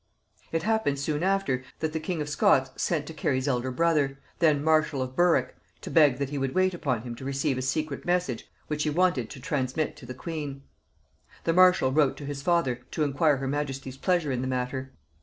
It happened soon after, that the king of Scots sent to Cary's elder brother, then marshal of Berwick, to beg that he would wait upon him to receive a secret message which he wanted to transmit to the queen. The marshal wrote to his father to inquire her majesty's pleasure in the matter.